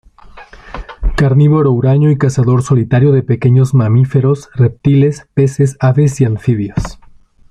Carnívoro huraño y cazador solitario de pequeños mamíferos, reptiles, peces, aves y anfibios.